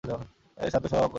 এরা শান্ত স্বভাব এর সাপ।